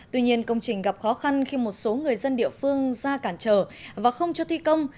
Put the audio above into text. tuy nhiên công trình gặp khó khăn khi một số người dân địa phương ra cản trở và không cho thi công